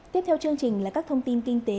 tiếp theo chương trình là các thông tin kinh tế